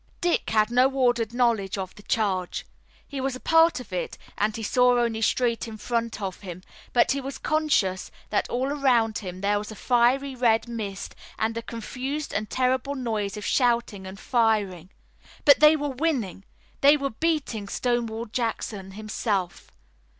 Dick had no ordered knowledge of the charge. He was a part of it, and he saw only straight in front of him, but he was conscious that all around him there was a fiery red mist, and a confused and terrible noise of shouting and firing. But they were winning! They were beating Stonewall Jackson himself.